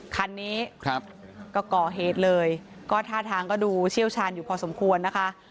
คันนี้ครับก็ก่อเหตุเลยก็ท่าทางก็ดูเชี่ยวชาญอยู่พอสมควรนะคะ